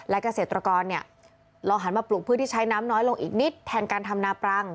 และเกษตรกรลองหันมาปลูกพืชที่ใช้น้ำน้อยลงอีกนิดแทนการทำนาปรัง